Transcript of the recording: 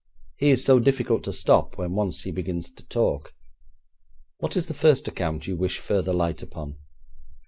He is so difficult to stop when once he begins to talk. What is the first account you wish further light upon?'